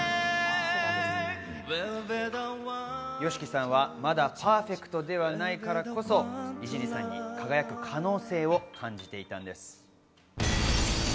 ＹＯＳＨＩＫＩさんはまだパーフェクトではないからこそ、井尻さんに輝く可能性を感じていたんです。